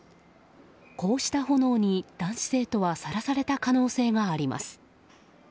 こうした炎に男子生徒はさらされた可能性があります。